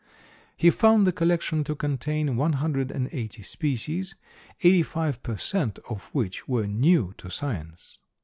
He found the collection to contain one hundred and eighty species, eighty five per cent. of which were new to science.